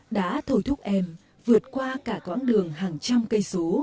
đã thổi thúc em vượt qua cả quãng đường hàng trăm cây số